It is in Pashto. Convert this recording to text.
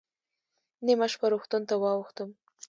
نیمه شپه روغتون ته واوښتم.